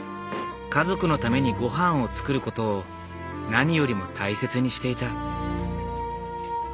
家族のためにごはんを作ることを何よりも大切にしていた。